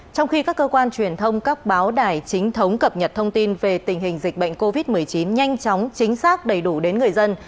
trong khi các cơ quan truyền thông các báo đài chính thống cập nhật thông tin về tình hình dịch bệnh covid một mươi chín nhanh chóng chính xác đầy đủ đến người dân